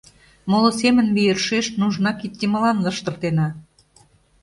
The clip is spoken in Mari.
Моло семын ме йӧршеш нужна кид йымалан лаштыртена.